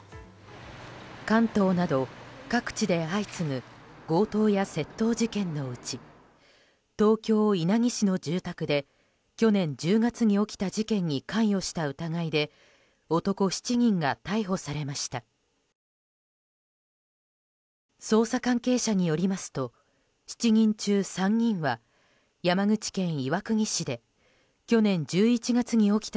関東など各地で相次ぐ強盗や窃盗事件のうち東京・稲城市の住宅で去年１０月に起きた事件に関与した疑いで男７人が逮捕されました。